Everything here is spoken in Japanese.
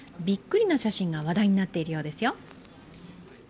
びっくりな写真が話題になっているようですよ。